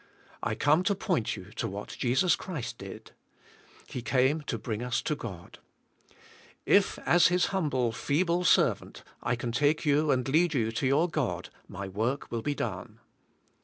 I come to point you to what Jesus Christ did. He came to bring us to God. If as His humble, feeble servant I can take you and lead you to your God my work will be done.